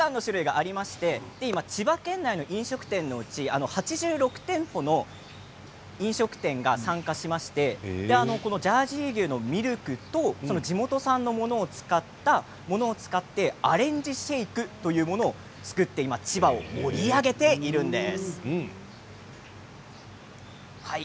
ここにはたくさんの種類がありまして、今千葉県内の飲食店のうち、８６店舗の飲食店が参加しましてジャージー牛のミルクと地元産のものを使ってアレンジシェイクというものを作って千葉を盛り上げているんです。